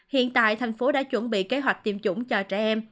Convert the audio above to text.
hiện tại thành phố đã chuẩn bị kế hoạch tiêm chủng cho trẻ em